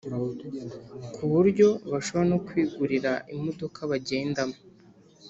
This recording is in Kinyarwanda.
kuburyo bashobora no kwigurira imodoka bagendamo